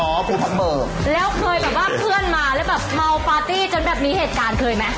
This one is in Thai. แล้วเคยเพื่อนมาแล้วเมาปาร์ตี้จนมีเหตุการณ์เคยไหม